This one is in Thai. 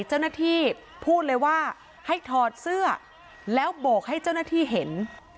เจ้าหน้าที่พูดเลยว่าให้ถอดเสื้อแล้วโบกให้เจ้าหน้าที่เห็น